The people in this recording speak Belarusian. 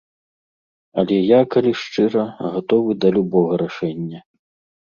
Але я, калі шчыра, гатовы да любога рашэння.